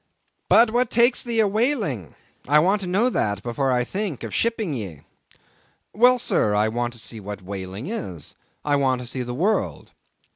"But what takes thee a whaling? I want to know that before I think of shipping ye." "Well, sir, I want to see what whaling is. I want to see the world."